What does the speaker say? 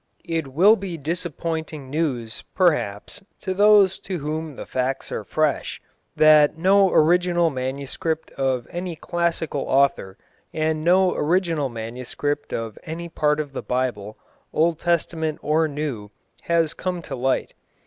It will be disappointing news, perhaps, to those to whom the facts are fresh, that no original manuscript of any classical author, and no original manuscript of any part of the Bible, Old Testament or New, has yet come to light.